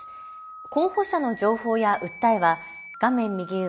候補者の情報や訴えは画面右上